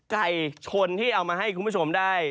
ไก่ชนที่เอามาให้คุณผู้ชมได้